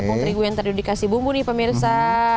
tepung terigu yang tadi udah dikasih bumbu nih pemirsa